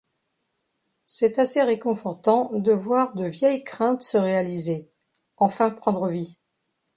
C’est assez réconfortant de voir de vieilles craintes se réaliser, enfin prendre vie.